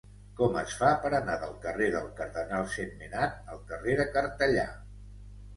Com es fa per anar del carrer del Cardenal Sentmenat al carrer de Cartellà?